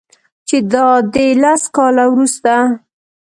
چې دادی لس کاله وروسته